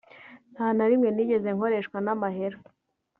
nta na rimwe nigeze nkoreshwa n'amahera